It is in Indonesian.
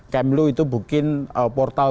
kemlu itu bikin portal